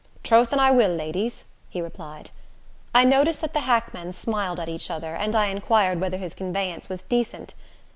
"Troth an I will, ladies," he replied. I noticed that the hackmen smiled at each other, and I inquired whether his conveyance was decent.